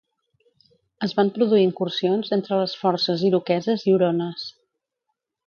Es van produir incursions entre les forces iroqueses i hurones.